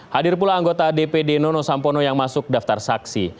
hadir pula anggota dpd nono sampono yang masuk daftar saksi